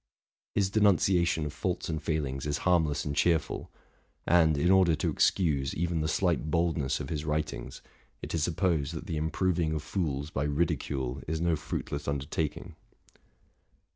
His denunciation of faults and failings is harmless and cheerful ; and, in order to excuse even the slight boldness of his writings, it is supposed that the improving of fools by ridicule is no fruitless undertaking.